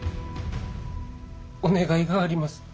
お願いがあります。